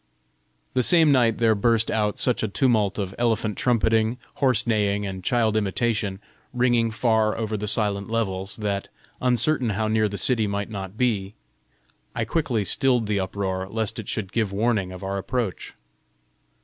The same night there burst out such a tumult of elephant trumpeting, horse neighing, and child imitation, ringing far over the silent levels, that, uncertain how near the city might not be, I quickly stilled the uproar lest it should give warning of our approach.